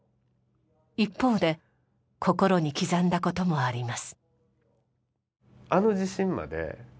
一方で心に刻んだこともあります。